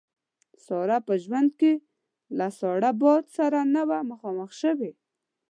ساره په ژوند کې له ساړه باد سره نه ده مخامخ شوې.